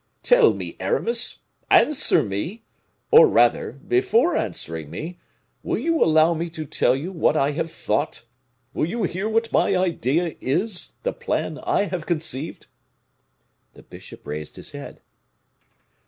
Tell me, Aramis, answer me, or rather, before answering me, will you allow me to tell you what I have thought? Will you hear what my idea is, the plan I have conceived?" The bishop raised his head.